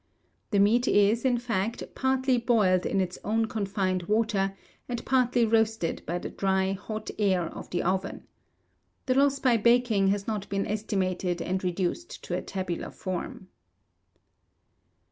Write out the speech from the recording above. The meat is, in fact, partly boiled in its own confined water, and partly roasted by the dry, hot air of the oven. The loss by baking has not been estimated and reduced to a tabular form.